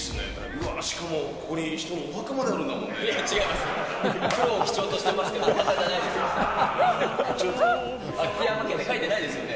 うわー、しかもここにお墓まであるんだもんね。